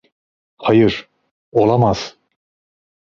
Hayır, olamaz!